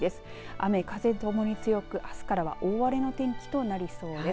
雨風ともに強く、あすからは大荒れの天気となりそうです。